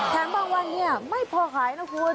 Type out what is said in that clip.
แถมบ้างว่าเนี่ยไม่พอขายนะคุณ